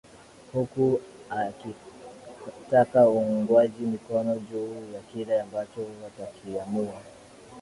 huku akitaka uungwaji mikono juu ya kile ambacho watakiamua